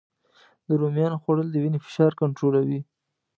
د رومیانو خوړل د وینې فشار کنټرولوي